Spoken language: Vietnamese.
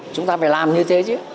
chúng ta phải làm như thế chứ